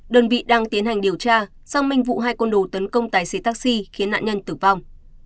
đơn vị đang tiến hành điều tra xăng minh vụ hai con đồ tấn công tài xế taxi khiến nạn nhân tử vong